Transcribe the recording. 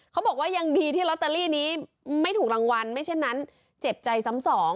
เขาบอกว่ายังดีที่ลอตเตอรี่นี้ไม่ถูกรางวัลไม่เช่นนั้นเจ็บใจซ้ำสอง